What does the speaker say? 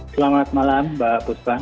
selamat malam mbak fusba